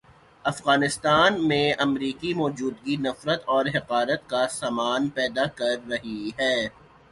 افغانستان میں امریکی موجودگی نفرت اور حقارت کا سامان پیدا کر رہی ہے۔